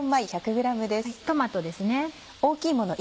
トマトです。